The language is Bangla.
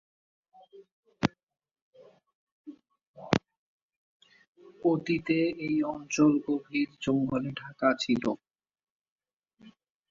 অতীতে এই অঞ্চল গভীর জঙ্গলে ঢাকা ছিল।